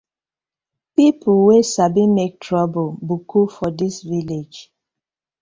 Pipu wey sabi mak toruble boku for dis villag.